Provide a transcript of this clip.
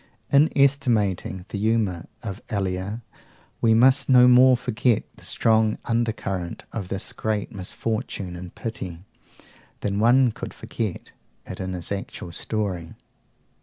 In estimating the humour of Elia, we must no more forget the strong undercurrent of this great misfortune and pity, than one could forget it in his actual story.